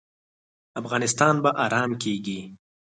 افغانستان به ارام کیږي؟